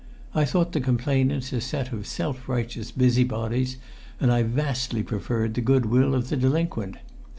I thought the complainants a set of self righteous busybodies, and I vastly preferred the good will of the delinquent.